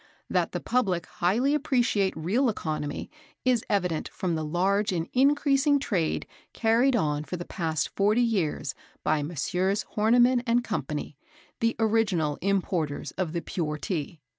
That the public highly appreciate real economy is evident from the large and increasing trade carried on for the past forty years by Messrs. Horniman & Co., the original importers of the pure Tea.